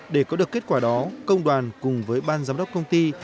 để có được kết quả đó công đoàn cùng với ban giám đốc công ty